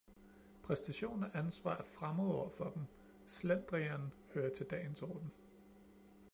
Præstation og ansvar er fremmedord for dem, slendrian hører til dagens orden.